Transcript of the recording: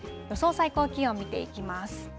最高気温を見ていきます。